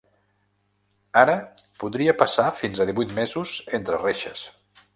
Ara podria passar fins a divuit mesos entre reixes.